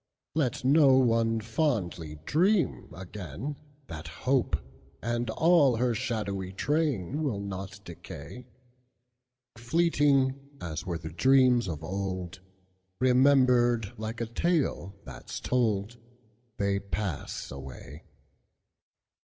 Let no one fondly dream again, That Hope and all her shadowy trainWill not decay; Fleeting as were the dreams of old, Remembered like a tale that 's told, They pass away.